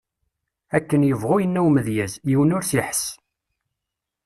Akken yebɣu yenna umedyaz, yiwen ur s-iḥess.